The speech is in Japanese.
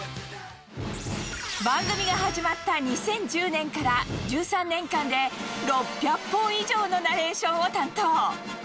番組が始まった２０１０年から、１３年間で６００本以上のナレーションを担当。